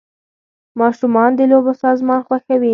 ماشومان د لوبو سامان خوښوي .